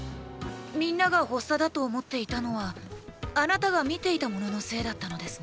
みんなが発作だと思っていたのはあなたが見ていたもののせいだったのですね。